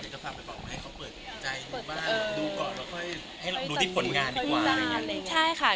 ก็ฝากไปบอกให้เขาเปิดใจดูบ้างดูก่อนแล้วค่อยให้เราดูที่ผลงานดีกว่า